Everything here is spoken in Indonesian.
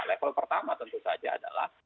level pertama tentu saja adalah